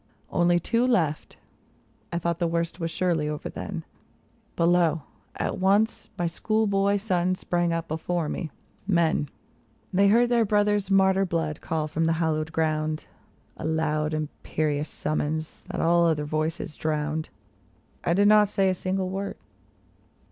Only two left ! I thought the worst was surely over then ; But lo ! at once my school boy sons sprang up before me — men ! 78 THE LAST OF SIX They heard their brothers' martyr blood call from the hal lowed ground ; A loud, imperious summons that all other voices drowned. I did not say a single word.